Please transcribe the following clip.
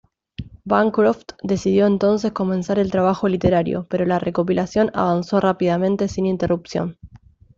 Bancroft decidió entonces comenzar el trabajo literario, pero la recopilación avanzó rápidamente sin interrupción.